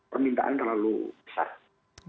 permintaan terlalu besar